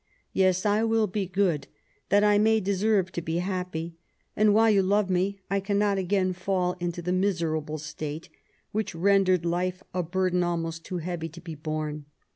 Tes, I will be good, that I may deserve to be happy ; and whilst you love me, I cannot again fall into the miserable state which rendered life a burden almost too heavy to be borne.